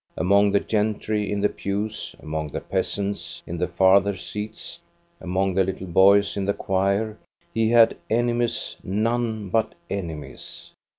Among the gentry in the pews, among the peasants in the farther seats, among the little boys in the choir, he had enemies, none but enemies.